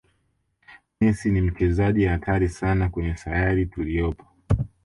messi ni mchezaji hatari sana kwenye sayari tuliyopo